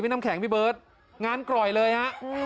น้ำแข็งพี่เบิร์ตงานกร่อยเลยฮะ